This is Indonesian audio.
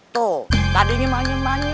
tuh tadinya manyu manyu